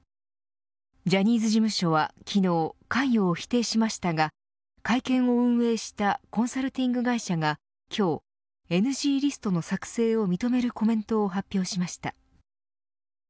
ジャニーズ事務所は昨日関与を否定しましたが会見を運営したコンサルティング会社が今日、ＮＧリストの作成を認めるコメントを発表しました。